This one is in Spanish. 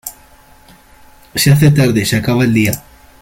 Se hace tarde, se acaba el día.